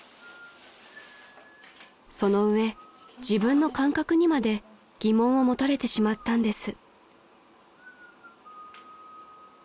［その上自分の感覚にまで疑問を持たれてしまったんです］